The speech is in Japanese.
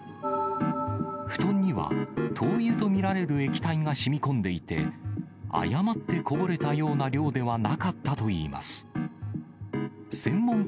布団には灯油と見られる液体がしみこんでいて、誤ってこぼれたような量ではなかったといいます。